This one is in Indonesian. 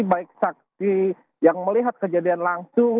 baik saksi yang melihat kejadian langsung